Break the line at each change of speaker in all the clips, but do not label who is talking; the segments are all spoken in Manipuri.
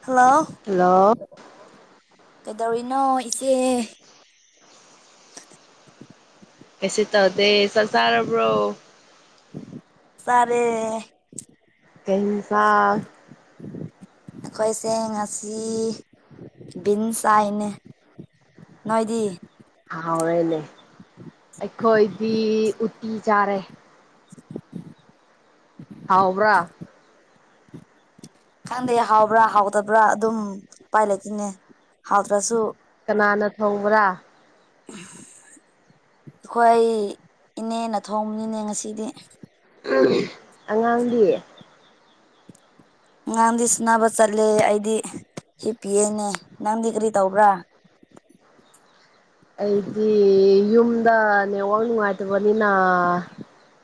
ꯍꯜꯂꯣ
ꯍꯜꯂꯣ
ꯀꯩꯗꯧꯔꯤꯅꯣ ꯏꯆꯦ
ꯀꯩꯁꯨ ꯇꯧꯗꯦ ꯆꯥꯛꯁꯥ ꯕ꯭ꯔꯣ
ꯆꯥꯔꯦ
ꯀꯩ ꯏꯟꯁꯥꯡ
ꯑꯈꯣꯏꯁꯦ ꯉꯁꯤ ꯕꯤꯟꯁ ꯆꯥꯏꯅꯦ ꯅꯣꯏꯗꯤ
ꯍꯥꯎꯔꯦꯅꯦ ꯑꯩꯈꯣꯏꯗꯤ ꯎꯇꯤ ꯆꯥꯔꯦ ꯍꯥꯎꯕ꯭ꯔꯥ
ꯈꯪꯗꯦ ꯍꯥꯎꯕ꯭ꯔꯥ ꯍꯥꯎꯇꯕ꯭ꯔꯥ ꯑꯗꯨꯝ ꯎꯄꯥꯏ ꯂꯩꯇꯦꯅꯦ ꯍꯥꯎꯇ꯭ꯔꯁꯨ
ꯀꯅꯥꯅ ꯊꯣꯡꯕ꯭ꯔꯥ
ꯑꯈꯣꯏ ꯏꯅꯦꯅ ꯊꯣꯡꯕꯅꯤꯅꯦ ꯉꯁꯤꯗꯤ
ꯑꯉꯥꯡꯗꯤ
ꯉꯥꯡꯗꯤ ꯁꯥꯟꯅꯕ ꯆꯠꯂꯦ ꯑꯩꯗꯤ ꯍꯤꯞꯄꯤꯑꯅꯦ ꯅꯪꯗꯤ ꯀꯔꯤ ꯇꯧꯕ꯭ꯔꯥ
ꯑꯩꯗꯤ ꯌꯨꯝ ꯗ ꯅꯦꯠꯋꯥꯛ ꯅꯨꯉꯥꯏꯇꯕꯅꯤꯅ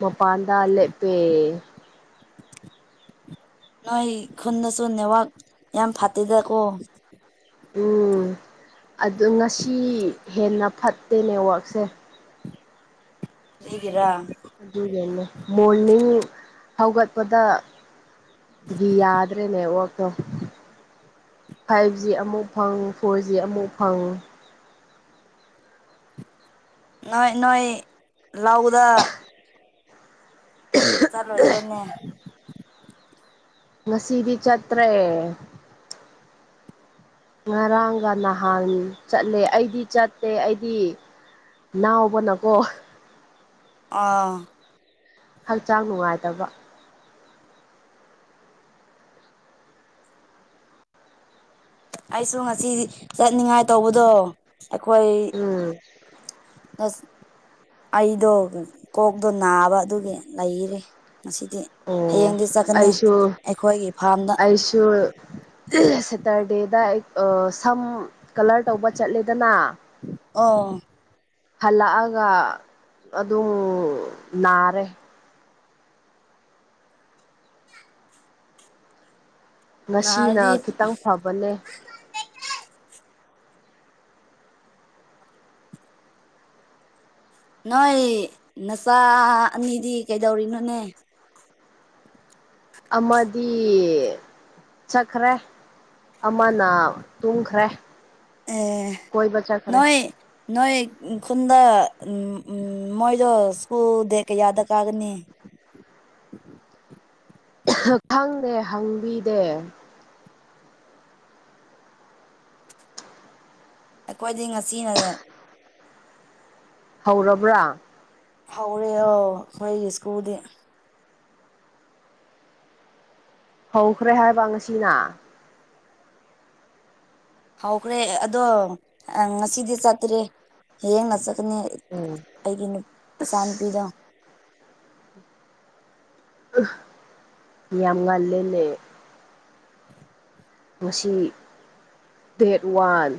ꯃꯄꯥꯥꯟꯗ ꯂꯦꯞꯄꯦ
ꯅꯣꯏ ꯈꯨꯟꯗꯁꯨ ꯅꯦꯠꯋꯥꯛ ꯌꯥꯝ ꯐꯠꯇꯦꯗꯀꯣ
ꯎꯨꯝ ꯑꯗꯨ ꯉꯁꯤ ꯍꯦꯟꯅ ꯐꯠꯇꯦ ꯅꯦꯠꯋꯛꯁꯦ
ꯀ꯭ꯔꯤꯒꯤꯔꯥ
ꯑꯗꯨꯒꯤꯅꯦ ꯃꯣꯔꯅꯤꯡ ꯍꯧꯒꯠꯄꯗ ꯗꯒꯤ ꯌꯥꯗ꯭ꯔꯦ ꯅꯦꯠꯋꯥꯛꯇꯣ ꯐꯥꯏꯚ ꯖꯤ ꯑꯃꯨꯛ ꯐꯪ ꯐꯣꯔ ꯖꯤ ꯑꯃꯨꯛ ꯐꯪ
ꯅꯣꯏ ꯅꯣꯏ ꯂꯥꯎꯗ ꯆꯠꯂꯣꯏꯗ꯭ꯔꯣꯅꯦ
ꯉꯁꯤꯗꯤ ꯆꯠꯇ꯭ꯔꯦ ꯉꯔꯥꯡꯒ ꯅꯍꯥꯟ ꯆꯠꯂꯦ ꯑꯩꯗꯤ ꯆꯠꯇꯦ ꯑꯩꯗꯤ ꯅꯥꯎꯕꯅꯀꯣ
ꯑꯣ
ꯍꯛꯆꯥꯡ ꯅꯨꯡꯉꯥꯏꯇꯕ
ꯑꯩꯁꯨ ꯉꯁꯤ ꯆꯠꯅꯤꯡꯉꯥꯏ ꯇꯧꯕꯗꯣ ꯑꯩꯈꯣꯏ
ꯎꯝ
ꯑꯁ ꯑꯩꯗꯣ ꯀꯣꯛꯇꯣ ꯅꯥꯕ ꯑꯗꯨꯒꯤ ꯂꯩꯔꯤ ꯉꯁꯤꯗꯤ
ꯑꯣ
ꯍꯌꯦꯡꯗꯤ ꯆꯠꯀꯅꯤ
ꯑꯩꯁꯨ
ꯑꯩꯈꯣꯏꯒꯤ ꯐꯥꯔꯝꯗ
[unintelligible] ꯁꯦꯇꯔꯗꯦꯗ ꯑꯩ ꯑꯥ ꯁꯝ ꯀꯂꯔ ꯇꯧꯕ ꯆꯠꯂꯦꯗꯅ
ꯑꯣ
ꯍꯜꯂꯛꯑꯒ ꯑꯗꯨ ꯅꯥꯔꯦ ꯉꯁꯤꯅ
ꯅꯍꯥꯟꯗꯤ
ꯈꯤꯇꯪ ꯐꯕꯅꯦ
ꯅꯣꯏ ꯅꯆꯥ ꯑꯅꯤꯗꯤ ꯀꯩꯗꯧꯔꯤꯅꯣꯅꯦ
ꯑꯃꯗꯤ ꯆꯠꯈ꯭ꯔꯦ ꯑꯃꯅ ꯇꯨꯝꯈ꯭ꯔꯦ
ꯑꯦ
ꯀꯣꯏꯕ ꯆꯠꯈ꯭ꯔꯦ
ꯅꯣꯏ ꯅꯣꯏ ꯈꯨꯟꯗ ꯎꯨꯝ ꯎꯨ ꯃꯣꯏꯗꯣ ꯁ꯭ꯀꯨꯜ ꯗꯦꯠ ꯀꯌꯥꯗ ꯀꯥꯒꯅꯤ
ꯈꯛ ꯈꯪꯗꯦ ꯍꯪꯕꯤꯒꯦ
ꯑꯩꯈꯣꯏꯗꯤ ꯉꯁꯤꯅꯒ
ꯍꯧꯔꯕ꯭ꯔꯥ
ꯍꯧꯔꯦ ꯑꯣ ꯑꯩꯈꯣꯏꯒꯤ ꯁ꯭ꯀꯨꯜꯗꯤ
ꯍꯧꯈ꯭ꯔꯦ ꯍꯥꯏꯕ ꯉꯁꯤꯅ
ꯍꯧꯈ꯭ꯔꯦ ꯑꯗꯣ ꯑꯥ ꯉꯁꯤꯗꯤ ꯆꯠꯇ꯭ꯔꯤ ꯍꯌꯦꯡꯅ ꯆꯠꯀꯅꯤ
ꯎꯝ
ꯑꯩꯒꯤ ꯅꯨꯞ ꯏꯆꯥ ꯅꯨꯨꯄꯤꯗꯣ
ꯑꯁ ꯌꯥ ꯉꯜꯂꯦꯅꯦ ꯉꯁꯤ ꯗꯦꯠ ꯋꯥꯟ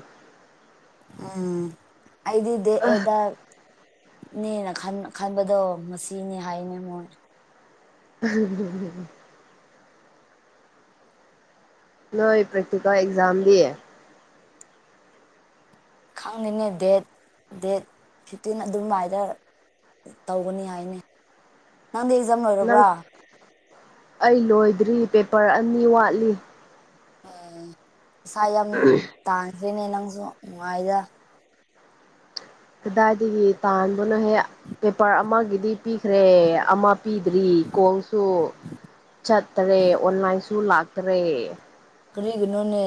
ꯎꯝ ꯑꯩꯗꯤ ꯗꯦꯗ ꯑꯦꯠꯗ ꯅꯦꯅ ꯈꯟ ꯈꯟꯕꯗꯣ ꯃꯁꯤꯅꯤ ꯍꯥꯏꯅꯦ ꯃꯣꯏ
[unintelligible] ꯅꯣꯏ ꯄ꯭ꯔꯦꯛꯇꯤꯀꯦꯜ ꯑꯦꯛꯖꯥꯝꯒꯤ
ꯈꯪꯉꯅꯤ ꯗꯦꯠ ꯗꯦꯠ ꯐꯤꯐꯇꯤꯟ ꯑꯗꯨꯝꯃꯥꯏꯗ ꯇꯧꯒꯅꯤ ꯍꯥꯏꯅꯦ ꯅꯪꯗꯤ ꯑꯦꯛꯖꯥꯝ
ꯅꯪ
ꯂꯣꯏꯔꯕ꯭ꯔꯥ
ꯑꯩ ꯂꯣꯏꯗ꯭ꯔꯤ ꯄꯦꯄꯔ ꯑꯅꯤ ꯋꯥꯠꯂꯤ
ꯑꯣ ꯏꯁꯥ ꯌꯥꯝ ꯇꯥꯟꯈ꯭ꯔꯦꯅꯦ ꯅꯪꯁꯨ ꯅꯨꯡꯉꯥꯏꯗ
ꯀꯗꯥꯏꯗꯒꯤ ꯇꯥꯟꯕꯅꯣꯍꯦ ꯄꯦꯄꯔ ꯑꯃꯒꯤꯗꯤ ꯄꯤꯈ꯭ꯔꯦ ꯑꯃ ꯄꯤꯗ꯭ꯔꯤ ꯀꯣꯜꯁꯨ ꯆꯠꯇꯔꯦ ꯑꯣꯟꯂꯥꯏꯟꯁꯨ ꯂꯥꯛꯇꯔꯦ
ꯀꯔꯤꯒꯤꯅꯣꯅꯦ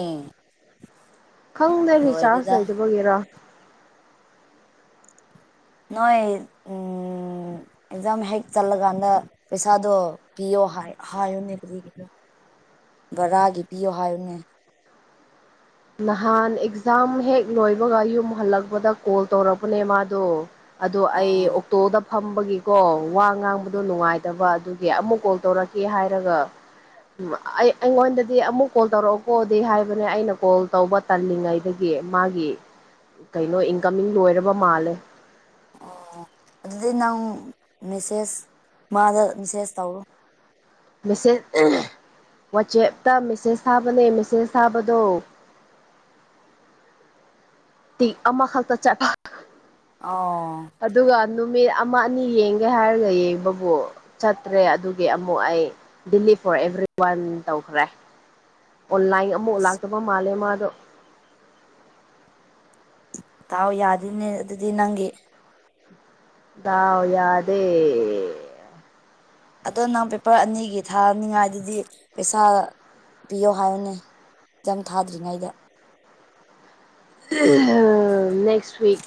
ꯈꯪꯗꯦ ꯔꯤꯆꯥꯔꯖ
ꯂꯣꯏꯔꯦꯗ
ꯂꯩꯇꯕꯒꯤꯔꯥ
ꯅꯣꯏ ꯎꯝ ꯎꯝ ꯑꯦꯛꯖꯥꯝ ꯍꯦꯛ ꯆꯜꯂꯀꯥꯟꯗ ꯄꯩꯁꯥꯗꯣ ꯄꯤꯌꯣ ꯍꯥꯏ ꯍꯥꯏꯌꯨꯅꯦ ꯀꯔꯤꯒꯤꯅꯣ ꯕꯔꯥꯒꯤ ꯄꯤꯌꯣ ꯍꯥꯏꯌꯨꯅꯦ
ꯅꯍꯥꯟ ꯑꯦꯛꯖꯥꯝ ꯍꯦꯛ ꯂꯣꯏꯕꯒ ꯌꯨꯝ ꯍꯜꯂꯛꯄꯗ ꯀꯣꯜ ꯇꯧꯔꯛꯄꯅꯦ ꯃꯥꯗꯣ ꯑꯗꯣ ꯑꯩ
ꯑꯣ
ꯑꯣꯛꯇꯣꯗ ꯐꯝꯕꯒꯤꯀꯣ ꯋꯥ ꯉꯥꯡꯕꯗꯣ ꯅꯨꯡꯉꯥꯏꯇꯕ ꯑꯗꯨꯒꯤ ꯑꯃꯨꯛ ꯀꯣꯜ ꯇꯧꯔꯛ ꯀꯦ ꯍꯥꯏꯔꯒ ꯎꯝ ꯑꯩ ꯑꯩꯉꯣꯟꯗꯗꯤ ꯑꯃꯨꯛ ꯀꯣꯜ ꯇꯧꯔꯛꯑꯣꯀꯣ ꯗꯤ ꯍꯥꯏꯕꯅꯦ ꯑꯩꯅ ꯀꯣꯜ ꯇꯧꯕ ꯇꯜꯂꯤꯉꯩꯗꯒꯤ ꯃꯥꯒꯤ ꯀꯩꯅꯣ ꯏꯟꯀꯃꯤꯡ ꯂꯣꯏꯔꯕ ꯃꯥꯜꯂꯦ
ꯑꯣ ꯑꯗꯨꯗꯤ ꯅꯪ ꯃꯦꯁꯦꯖ ꯃꯥꯗ ꯃꯦꯁꯦꯖ ꯇꯧꯔꯣ
ꯃꯦꯁꯦꯖ ꯋꯥꯆꯦꯞꯇ ꯃꯦꯁꯦꯖ ꯊꯥꯕꯅꯦ ꯃꯦꯁꯦꯖ ꯊꯥꯕꯗꯣ ꯇꯤꯛ ꯑꯃꯈꯛꯇ ꯆꯠꯄ
ꯑꯣ
ꯑꯗꯨꯒ ꯅꯨꯃꯤꯠ ꯑꯃ ꯑꯅꯤ ꯌꯦꯡꯒꯦ ꯍꯥꯏꯔꯒ ꯌꯦꯡꯕꯕꯨ ꯆꯠꯇ꯭ꯔꯦ ꯑꯗꯨꯒꯤ ꯑꯃꯨꯛ ꯑꯩ ꯗꯦꯂꯤꯠ ꯐꯣꯔ ꯑꯦꯚ꯭ꯔꯤ ꯋꯥꯟ ꯇꯧꯈ꯭ꯔꯦ ꯑꯣꯟꯂꯥꯏꯟ ꯑꯃꯨꯛ ꯂꯥꯛꯇꯕ ꯃꯥꯜꯂꯦ ꯃꯥꯗꯣ
ꯗꯥꯎ ꯌꯥꯗꯦꯅꯦ ꯑꯗꯨꯗꯤ ꯅꯪꯒꯤ
ꯗꯥꯎ ꯌꯥꯗꯦ
ꯑꯗꯣ ꯅꯪ ꯄꯦꯄꯔ ꯑꯅꯤꯒꯤ ꯊꯥꯅꯤꯡꯉꯥꯏꯗꯧꯗꯤ ꯄꯩꯁꯥ ꯄꯤꯌꯣ ꯍꯥꯏꯌꯨꯅꯦ ꯑꯦꯛꯖꯥꯝ ꯊꯥꯗ꯭ꯔꯤꯉꯩꯗ
ꯅꯦꯛꯁ ꯋꯤꯛ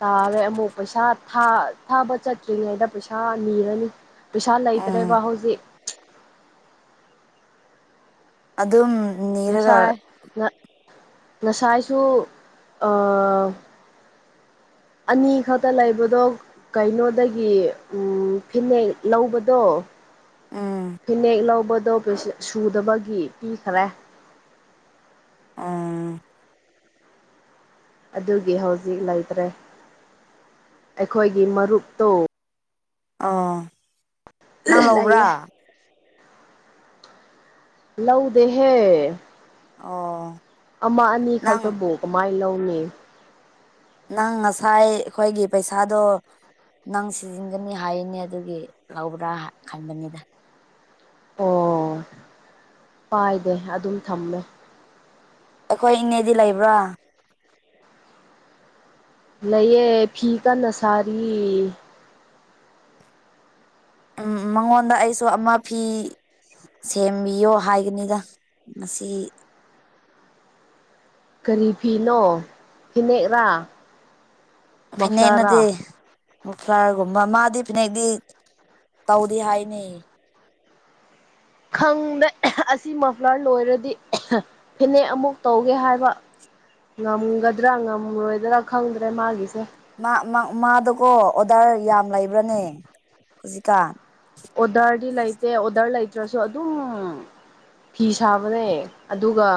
ꯇꯥꯔꯦ ꯑꯃꯨꯛ ꯄꯩꯁꯥ ꯊꯥ ꯊꯥꯕ ꯆꯠꯇ꯭ꯔꯤꯉꯩꯗ ꯄꯩꯁꯥ ꯅꯤꯔꯅꯤ ꯄꯩꯁꯥ
ꯎꯝ
ꯂꯩꯇ꯭ꯔꯦꯕ ꯍꯧꯖꯤꯛ
ꯑꯗꯨꯝ ꯅꯤꯔꯒ
ꯉꯁꯥꯏ ꯉꯁꯥꯏꯁꯨ ꯑꯥ ꯑꯅꯤ ꯈꯛꯇ ꯂꯩꯕꯗꯣ ꯀꯩꯅꯣꯗꯒꯤ ꯎꯝ ꯐꯤꯅꯦꯛ ꯂꯧꯕꯗꯣ
ꯎꯝ
ꯐꯤꯅꯦꯛ ꯂꯧꯕꯗꯣ ꯁꯨꯗꯕꯒꯤ ꯄꯤꯈꯔꯦ
ꯑꯥ
ꯑꯗꯨꯒꯤ ꯍꯧꯖꯤꯛ ꯂꯩꯇ꯭ꯔꯦ ꯑꯩꯈꯣꯏꯒꯤ ꯃꯔꯨꯞꯇꯣ
ꯑꯣ ꯅꯪ
ꯂꯩꯌꯦ
ꯂꯥꯎꯕ꯭ꯔꯥ
ꯂꯧꯗꯦꯍꯦ
ꯑꯣ
ꯑꯃ ꯑꯅꯤ
ꯅꯪ
ꯈꯛꯇꯕꯨ ꯀꯃꯥꯏꯅ ꯂꯧꯅꯤ
ꯅꯪ ꯉꯁꯥꯏ ꯑꯩꯈꯣꯏꯒꯤ ꯄꯩꯁꯥꯗꯣ ꯅꯪ ꯁꯤꯖꯤꯟꯒꯅꯤ ꯍꯥꯏꯅꯦ ꯑꯗꯨꯒꯤ ꯂꯧꯕ꯭ꯔꯥ ꯈꯟꯕꯅꯤꯗ
ꯑꯣ ꯄꯥꯏꯗꯦ ꯑꯗꯨꯝ ꯊꯝꯃꯦ
ꯑꯩꯈꯣꯏ ꯏꯅꯦꯗꯤ ꯂꯩꯕ꯭ꯔꯥ
ꯂꯩꯌꯦ ꯐꯤ ꯀꯟꯅ ꯁꯔꯤ
ꯎꯝ ꯎꯝ ꯃꯉꯣꯟꯗ ꯑꯩꯁꯨ ꯑꯃ ꯐꯤ ꯁꯦꯝꯕꯤꯌꯣ ꯍꯥꯏꯒꯅꯤꯗ ꯉꯁꯤ
ꯀꯔꯤ ꯐꯤꯅꯣ ꯐꯤꯅꯦꯛꯔꯥ
ꯐꯥꯅꯦꯛ
ꯃꯐ꯭ꯂꯔꯥ
ꯅꯠꯇꯦ ꯃꯐ꯭ꯂꯔꯒꯨꯝꯕ ꯃꯥꯗꯤ ꯐꯤꯅꯦꯛꯗꯤ ꯇꯧꯗꯦ ꯍꯥꯏꯅꯦ
ꯈꯪꯗꯦ ꯑꯁꯤ ꯃꯐ꯭ꯂꯔ ꯂꯣꯏꯔꯗꯤ ꯐꯅꯦꯛ ꯑꯃꯨꯛ ꯇꯧꯒꯦ ꯍꯥꯏꯕ ꯉꯝꯒꯗ꯭ꯔꯥ ꯉꯝꯔꯣꯏꯗ꯭ꯔꯥ ꯈꯪꯗ꯭ꯔꯦ ꯃꯥꯒꯤꯁꯦ
ꯃꯥ ꯃꯥ ꯃꯥꯗꯨꯀꯣ ꯑꯣꯗꯔ ꯌꯥꯝ ꯂꯩꯕ꯭ꯔꯅꯦ ꯍꯧꯖꯤꯛꯀꯥꯟ
ꯑꯣꯗꯔꯗꯤ ꯂꯩꯇꯦ ꯑꯣꯗꯔ ꯂꯩꯇ꯭ꯔꯁꯨ ꯑꯗꯨꯝ ꯐꯤ ꯁꯥꯕꯅꯦ ꯑꯗꯨꯒ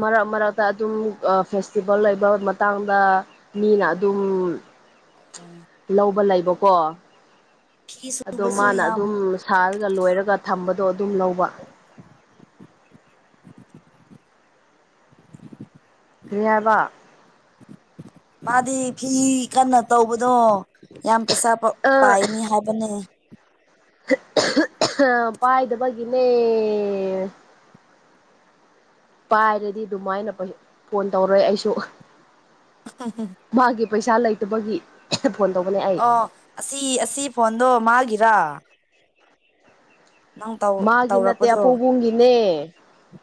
ꯃꯔꯛ ꯃꯔꯛꯇ ꯑꯗꯨꯝ ꯑꯥ ꯐꯦꯁꯇꯤꯚꯦꯜ ꯂꯩꯕ ꯃꯇꯥꯡꯗ ꯃꯤꯅ ꯑꯗꯨꯝ ꯎꯝ ꯂꯧꯕ ꯂꯩꯕꯀꯣ
ꯐꯤ
ꯑꯗꯣ
ꯁꯨꯕꯁꯨ
ꯃꯥꯅ
ꯌꯥꯝ
ꯑꯗꯨꯝ ꯁꯥꯔꯒ ꯂꯣꯏꯔꯒ ꯊꯝꯕꯗꯣ ꯑꯗꯨꯝ ꯂꯧꯕ ꯀ꯭ꯔꯤ ꯍꯥꯏꯕ
ꯃꯥꯗꯤ ꯐꯤ ꯀꯟꯅ ꯇꯧꯕꯗꯣ ꯌꯥꯝ ꯄꯩꯁꯥ ꯄꯥ ꯄꯥꯏꯅꯤ ꯍꯥꯏꯕꯅꯦ
[inaudible] ꯄꯥꯏꯗꯕꯒꯤꯅꯦ ꯄꯥꯏꯔꯗꯤ ꯑꯗꯨꯃꯥꯏꯅ ꯐꯣꯟ ꯇꯧꯔꯣꯏ ꯑꯩꯁꯨ
ꯇꯥꯏ ꯇꯥꯏ
ꯃꯥꯒꯤ ꯄꯩꯁꯥ ꯂꯩꯇꯕꯒꯤ ꯐꯣꯟ ꯇꯧꯕꯅꯦ ꯑꯩ
ꯑꯣ ꯑꯁꯤ ꯑꯁꯤ ꯐꯣꯟꯗꯣ ꯃꯥꯒꯤꯔꯥ ꯅꯪ ꯇꯧ
ꯃꯥꯒꯤ ꯅꯠꯇꯦ
ꯇꯧꯔꯛꯄꯗꯣ
ꯑꯄꯧꯕꯨꯡꯒꯤꯅꯦ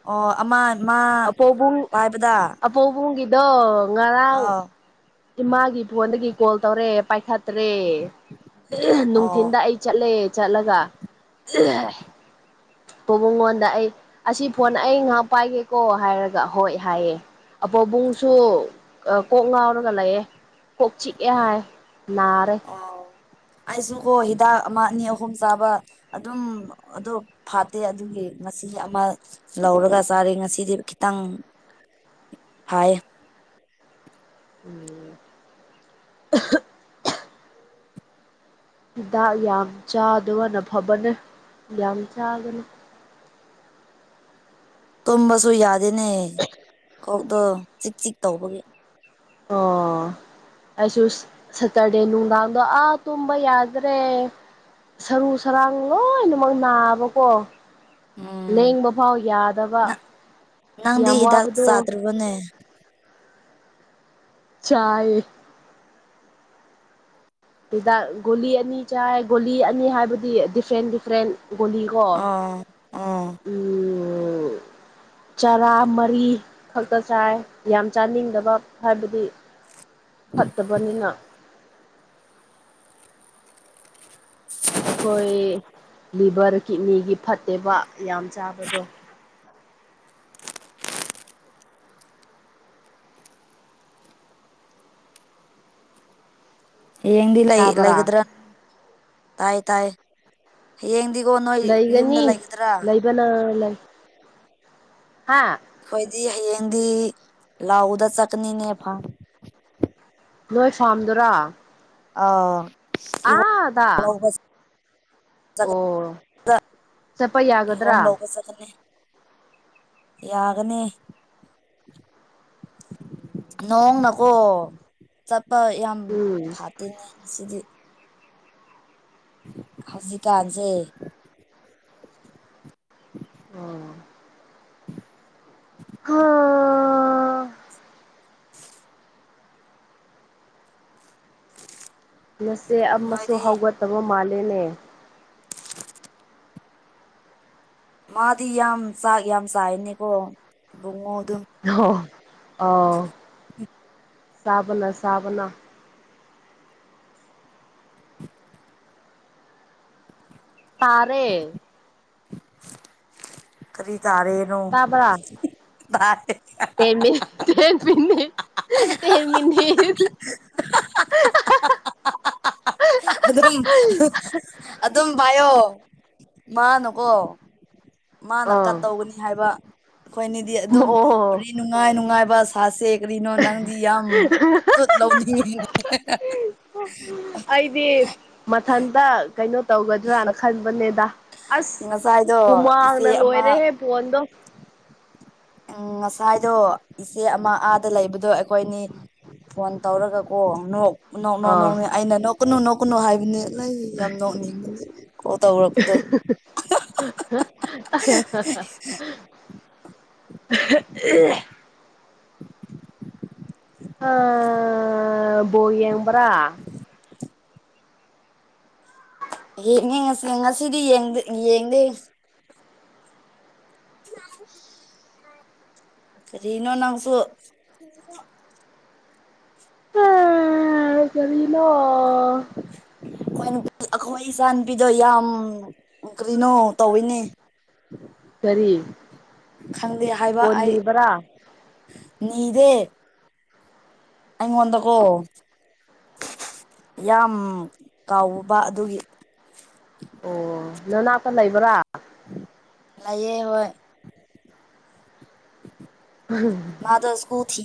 ꯑꯣ ꯑꯃ ꯃꯥ
ꯑꯄꯧꯕꯨꯡ
ꯄꯥꯏꯕꯗ
ꯑꯄꯧꯕꯨꯡꯒꯤꯗꯣ ꯉꯔꯥꯡ
ꯑꯥꯎ
ꯏꯃꯥꯒꯤ ꯐꯣꯟꯗꯒꯤ ꯀꯣꯜ ꯇꯧꯔꯛꯑꯦ ꯄꯥꯏꯈꯠꯇ꯭ꯔꯦ
ꯑꯣ
ꯅꯨꯡꯊꯤꯟꯗ ꯑꯩ ꯆꯠꯂꯦ ꯆꯠꯂꯒ ꯄꯧꯕꯨꯡꯉꯣꯟꯗ ꯑꯩ ꯑꯁꯤ ꯐꯣꯟ ꯑꯩ ꯉꯥꯛ ꯄꯥꯏꯒꯦ ꯀꯣ ꯍꯥꯏꯔꯒ ꯍꯣꯏ ꯍꯥꯏꯌꯦ ꯑꯄꯧꯕꯨꯡꯁꯨ ꯑꯥ ꯀꯣꯛ ꯉꯥꯎꯔꯒ ꯂꯩꯌꯦ ꯀꯣꯛ ꯆꯤꯛꯑꯦ ꯍꯥꯏ ꯅꯥꯔꯦ
ꯑꯣ ꯑꯩꯁꯨꯀꯣ ꯍꯤꯗꯥꯛ ꯑꯃ ꯑꯅꯤ ꯑꯍꯨꯝ ꯆꯥꯕ ꯑꯗꯨꯝ ꯑꯗꯣ ꯐꯠꯇꯦ ꯑꯗꯨꯒꯤ ꯉꯁꯤ ꯑꯃ ꯂꯧꯔꯒ ꯆꯥꯔꯦ ꯉꯁꯤꯗꯤ ꯈꯤꯇꯪ ꯐꯩ
ꯎꯝ ꯍꯤꯗꯥꯛ ꯌꯥꯝ ꯆꯥꯗꯕꯅ ꯐꯕꯅꯦ ꯌꯥꯝ ꯆꯥꯒꯅꯨ
ꯇꯨꯝꯕꯁꯨ ꯌꯥꯗꯦꯅꯦ ꯀꯣꯛꯗꯣ ꯆꯤꯛ ꯆꯤꯛ ꯇꯧꯕꯒꯤ
ꯑꯣ ꯑꯩꯁꯨ ꯁꯦꯇꯔꯗꯦ ꯅꯨꯡꯗꯥꯡꯗꯣ ꯑꯥ ꯇꯨꯝꯕ ꯌꯥꯗ꯭ꯔꯦ ꯁꯔꯨ ꯁꯔꯥꯡ ꯂꯣꯏꯅꯃꯛ ꯅꯥꯕꯀꯣ
ꯎꯝ
ꯂꯦꯡꯕ ꯐꯥꯎ ꯌꯥꯗꯕ ꯌꯥꯝ ꯋꯥꯕꯗꯣ
ꯇꯧꯕꯅꯦ
ꯆꯥꯏ ꯍꯤꯗꯥꯛ ꯒꯨꯂꯤ ꯑꯅꯤ ꯆꯥꯏ ꯒꯣꯂꯤ ꯑꯅꯤ ꯍꯥꯏꯕꯗꯤ ꯗꯤꯐ꯭ꯔꯦꯟ ꯗꯤꯐ꯭ꯔꯦꯟ ꯒꯣꯂꯤ ꯀꯣ
ꯑꯥ ꯑꯥ
ꯎꯝ ꯆꯔꯥ ꯃꯔꯤ ꯈꯛꯇ ꯆꯥꯏ ꯌꯥꯝ ꯆꯥꯅꯤꯡꯗꯕ ꯍꯥꯏꯕꯗꯤ ꯐꯠꯇꯕꯅꯤꯅ
[inaudible]
ꯑꯩꯈꯣꯏ ꯂꯤꯚꯔ ꯀꯤꯠꯅꯤꯒꯤ ꯐꯠꯇꯦꯕ ꯌꯥꯝ ꯆꯥꯕꯗꯣ
ꯗꯌꯦꯡꯗꯤ ꯂꯩ
ꯇꯥꯕ꯭ꯔꯥ
ꯂꯩꯒꯗ꯭ꯔꯥ ꯇꯥꯏ ꯇꯥꯏ ꯍꯌꯦꯡꯗꯤꯒꯣ ꯅꯣꯏ ꯌꯨꯝꯗ
ꯂꯩꯒꯅꯤ
ꯂꯩꯒꯗ꯭ꯔꯥ
[unintelligible] ꯂꯩ ꯍꯥꯥ
ꯑꯈꯣꯏꯗꯤ ꯍꯌꯦꯡꯗꯤ ꯂꯥꯎꯗ ꯆꯠꯀꯅꯤꯅꯦ ꯐꯝ
ꯅꯣꯏ ꯐꯥꯝꯗꯨꯔꯥ
ꯑꯥꯎ ꯀꯤꯍꯣꯝ ꯂꯧꯕ ꯆꯠꯀꯅꯤ
ꯑꯣ ꯆꯠꯄ
[unintelligible] ꯀꯤꯍꯣꯝ
ꯌꯥꯒꯗ꯭ꯔꯥ
ꯂꯧꯕ ꯆꯠꯒꯅꯤ [unintelligible] ꯌꯥꯒꯅꯤ ꯅꯣꯡ ꯅꯀꯣ ꯆꯠꯄ ꯌꯥꯝ
ꯎꯝ
[unintelligible] ꯉꯁꯤꯗꯤ ꯍꯧꯖꯤꯛꯀꯥꯟꯁꯦ
ꯑꯥ ꯍꯥ ꯅꯁꯦ ꯑꯃꯁꯨ
ꯅꯣꯏꯗꯤ
ꯍꯧꯒꯠꯇꯕ ꯃꯥꯜꯂꯤꯅꯦ
[inaudible] ꯃꯗꯤ ꯌꯥꯝ ꯆꯥꯛ ꯌꯥꯝ ꯆꯥꯏꯅꯦꯀꯣ ꯕꯨꯡꯉꯣꯗꯨ
ꯍꯣ ꯑꯣ ꯆꯥꯕꯅ ꯆꯥꯕꯅ ꯇꯥꯔꯦ
ꯀꯔꯤ ꯇꯔꯦꯅꯣ
ꯇꯥꯕ꯭ꯔꯥ
ꯇꯥꯔꯦ
[unintelligible] [unintelligible] [unintelligible]
ꯑꯗꯨꯝ ꯑꯗꯨꯝ ꯄꯥꯏꯌꯣ ꯃꯥꯅꯀꯣ ꯃꯥꯅ ꯀꯠ
ꯑꯥ
ꯇꯧꯒꯅꯤ ꯍꯥꯏꯕ ꯑꯩꯈꯣꯏꯅꯤꯗꯤ ꯑꯗꯨꯝ
ꯑꯣ
ꯅꯨꯡꯉꯥꯏ ꯅꯨꯡꯉꯥꯏꯕ ꯁꯥꯁꯦ ꯀꯔꯤꯅꯣ ꯅꯪꯗꯤ ꯌꯥꯝ ꯇꯨꯠ ꯂꯧꯅꯤꯡꯉꯤꯅꯦ
ꯑꯩꯗꯤ ꯃꯊꯟꯇ ꯀꯩꯅꯣ ꯇꯧꯒꯗ꯭ꯔꯅ ꯈꯟꯕꯅꯦꯗ ꯑꯁ
ꯉꯁꯥꯏꯗꯣ ꯏꯆꯦ
ꯍꯨꯃꯥꯡꯅ
ꯑꯃ
ꯂꯣꯏꯔꯦꯍꯦ ꯐꯣꯟꯗꯣ
ꯎꯝ ꯉꯁꯥꯏꯗꯣ ꯏꯆꯦ ꯑꯃ ꯑꯥꯗ ꯂꯩꯕꯗꯣ ꯑꯩꯈꯣꯏꯅꯤ ꯐꯣꯟ ꯇꯧꯔꯒ ꯀꯣ ꯅꯣꯛ ꯅꯣꯛ ꯅꯣꯛ
ꯑꯥ
ꯅꯣꯛ ꯑꯩꯅ ꯅꯣꯛꯀꯅꯨ ꯅꯣꯛꯀꯅꯨ ꯍꯥꯏꯕꯅꯤ ꯅꯪ ꯌꯥꯝ ꯅꯣꯛꯅꯤꯡꯉꯦ ꯀꯣꯜ ꯇꯧꯔꯛꯄꯗꯣ
[unintelligible] [unintelligible] ꯑꯥ ꯕꯣꯜ ꯌꯦꯡꯕ꯭ꯔꯥ
ꯌꯦꯡꯅꯤ ꯉꯁꯤ ꯉꯁꯤꯗꯤ ꯌꯦꯡ ꯌꯦꯡꯗꯦ
ꯎ [inaudible]
ꯀꯔꯤꯅꯣ ꯅꯪꯁꯨ
ꯑꯥ ꯀꯔꯤꯅꯣ
ꯑꯈꯣꯏ ꯑꯩꯈꯣꯏ ꯏꯆꯥꯅꯨꯄꯤꯗꯣ ꯌꯥꯝ ꯀꯔꯤꯅꯣ ꯇꯧꯏꯅꯦ
ꯀꯔꯤ
ꯈꯪꯗꯦ ꯍꯥꯏꯕ
ꯐꯣꯟ
ꯑꯩ
ꯅꯤꯕ꯭ꯔꯥ
ꯅꯤꯗꯦ ꯑꯩꯉꯣꯟꯗꯀꯣ ꯌꯥꯝ ꯀꯥꯎꯕ ꯑꯗꯨꯒꯤ
ꯑꯣ ꯅꯅꯥꯛꯇ ꯂꯩꯕ꯭ꯔꯥ
ꯂꯩꯑꯦ ꯍꯣꯏ
ꯎꯝ [unintelligible]
ꯃꯥꯗꯣ ꯁ꯭ꯀꯨꯜ ꯊꯤ